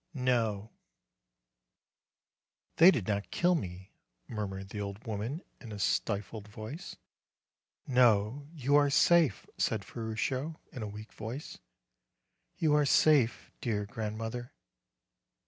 "No." "They did not kill me," murmured the old woman in a stifled voice. "No; you are safe," said Ferruccio, in a weak voice. "You are safe, dear grandmother.